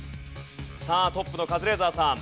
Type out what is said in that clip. さあトップのカズレーザーさん。